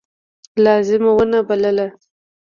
لازمه ونه بلله.